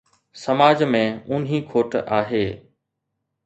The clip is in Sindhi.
سماج ۾ اونهي کوٽ آهي